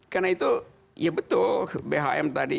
karena itu ya betul bhm tadi